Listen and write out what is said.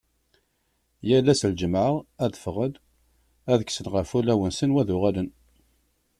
Yal ass n lǧemɛa ad d-ffɣen ad kksen ɣef ulawen-nsen u ad uɣalen.